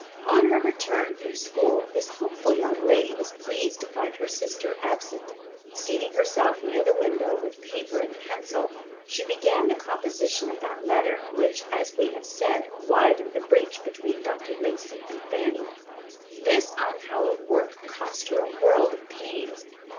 On her return from school this hopeful young lady was pleased to find her sister absent. Seating herself near the window, with paper and pencil, she began the composition of that letter, which, as we have said, widened the breach between Dr. Lacey and Fanny. This unhallowed work cost her a world of pains.